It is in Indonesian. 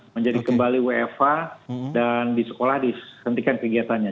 menjadi kembali wfa dan di sekolah dihentikan kegiatannya